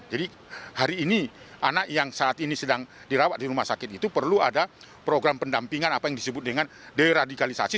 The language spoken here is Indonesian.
jadi hari ini anak yang saat ini sedang dirawat di rumah sakit itu perlu ada program pendampingan apa yang disebut dengan deradikalisasi